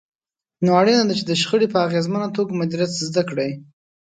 نو اړينه ده چې د شخړې په اغېزمنه توګه مديريت زده کړئ.